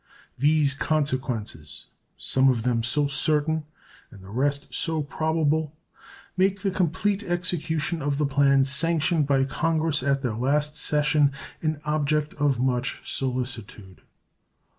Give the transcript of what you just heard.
These consequences, some of them so certain and the rest so probable, make the complete execution of the plan sanctioned by Congress at their last session an object of much solicitude.